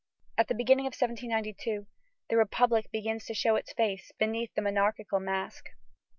At the beginning of 1792, the republic begins to show its face beneath the monarchical mask.